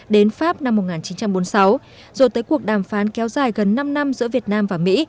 đến pháp năm một nghìn chín trăm bốn mươi sáu rồi tới cuộc đàm phán kéo dài gần năm năm giữa việt nam và mỹ